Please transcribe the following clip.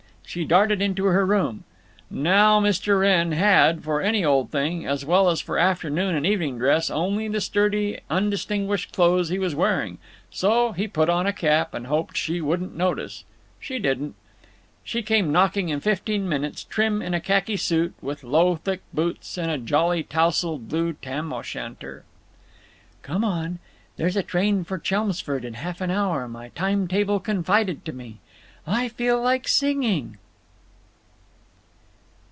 She darted into her room. Now Mr. Wrenn had, for any old thing, as well as for afternoon and evening dress, only the sturdy undistinguished clothes he was wearing, so he put on a cap, and hoped she wouldn't notice. She didn't. She came knocking in fifteen minutes, trim in a khaki suit, with low thick boots and a jolly tousled blue tam o' shanter. "Come on. There's a train for Chelmsford in half an hour, my time table confided to me. I feel like singing."